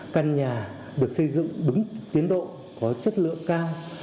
căn nhà được xây dựng đúng tiến độ có chất lượng cao